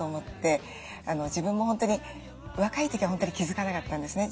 自分も本当に若い時は本当に気付かなかったんですね。